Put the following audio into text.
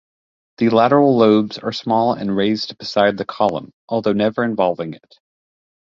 The lateral lobes are small and raised beside the column, although never involving it.